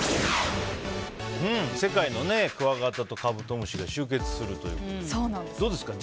世界のクワガタとカブトムシが集結するということでどうですか？